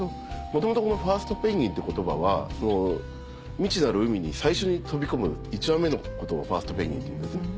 元々この「ファーストペンギン」っていう言葉は未知なる海に最初に飛び込む１羽目のことをファーストペンギンっていうんですね。